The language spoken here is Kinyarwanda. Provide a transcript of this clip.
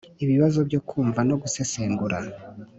Ibibazo byo kumva no gusesengura